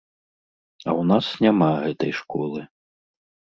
А ў нас няма гэтай школы.